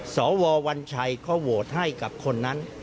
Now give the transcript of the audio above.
สววัญชัยเขาโหวตให้กับคนนั้น